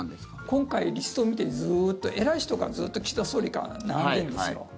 今回、リストを見てずっと偉い人がずっと岸田総理から並んでるんですよ。